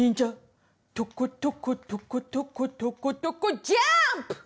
「とことことことことことこジャンプ！」